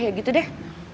ya gitu deh